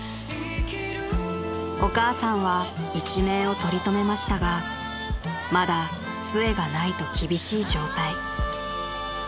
［お母さんは一命をとりとめましたがまだつえがないと厳しい状態］